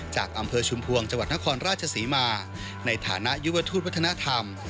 จากอำเภอชุมพวงจังหวัดนครราชศรีมาในฐานะยุวทูตวัฒนธรรม